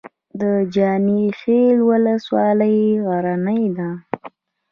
د جاني خیل ولسوالۍ غرنۍ ده